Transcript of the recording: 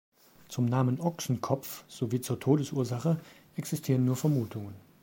Zum Namen Ochsenkopf sowie zur Todesursache existieren nur Vermutungen.